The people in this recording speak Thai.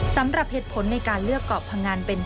สำหรับเหตุผลในการเลือกเกาะพงันเป็น